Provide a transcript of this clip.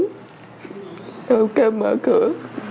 tôi không kêu mở cửa